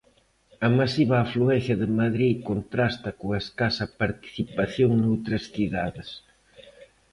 A masiva afluencia de Madrid contrasta coa escasa participación noutras cidades.